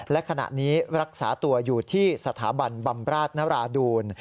และขณะนี้รักษาตัวอยู่ที่สถาบันบำราชนราดูล